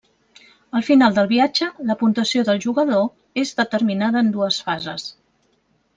Al final del viatge, la puntuació del jugador és determinada en dues fases.